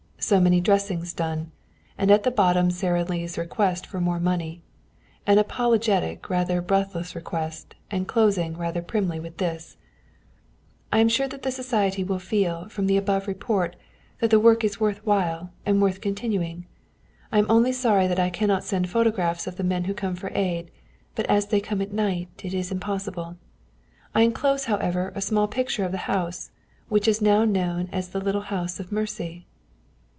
So many dressings done. And at the bottom Sara Lee's request for more money an apologetic, rather breathless request, and closing, rather primly with this: "I am sure that the society will feel, from the above report, that the work is worth while, and worth continuing. I am only sorry that I cannot send photographs of the men who come for aid, but as they come at night it is impossible. I enclose, however, a small picture of the house, which is now known as the little house of mercy."